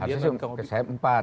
harusnya sih saya empat